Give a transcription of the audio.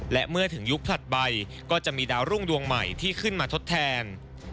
และเมื่อถึงยุคถัดไปก็จะมีดาวรุ่งดวงใหม่ที่ขึ้นมาทดแทน